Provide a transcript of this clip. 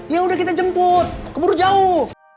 ya udah kita jemput keburu jauh